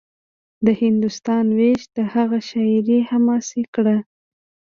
د هندوستان وېش د هغه شاعري حماسي کړه